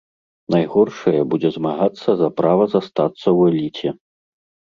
Найгоршая будзе змагацца за права застацца ў эліце.